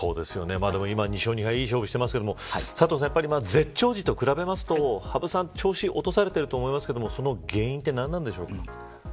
でも２勝２敗良い勝負していますけど佐藤さん、絶頂時と比べると羽生さん、調子落とされてると思いますがその原因は何なんでしょうか。